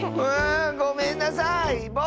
わんごめんなさい！